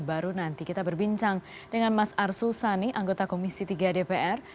baru nanti kita berbincang dengan mas arsul sani anggota komisi tiga dpr